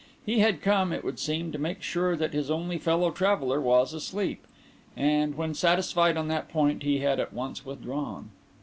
He had come, it would seem, to make sure that his only fellow traveller was asleep; and, when satisfied on that point, he had at once withdrawn.